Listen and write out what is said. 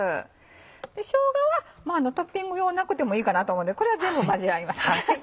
しょうがはトッピング用なくてもいいかなと思うんでこれは全部混ぜ合います。